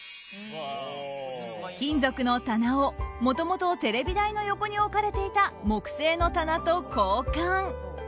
金属の棚を、もともとテレビ台の横に置かれていた木製の棚と交換。